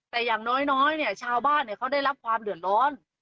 แต่อย่างน้อยเนี่ยชาวบ้านเขาได้รับความเดือดร้อน